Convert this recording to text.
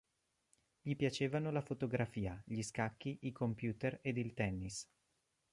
Gli piacevano la fotografia, gli scacchi, i computer ed il tennis.